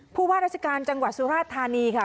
ผู้ว่าราชการจังหวัดสุราชธานีค่ะ